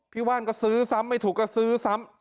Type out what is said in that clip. ว่านก็ซื้อซ้ำไม่ถูกก็ซื้อซ้ำ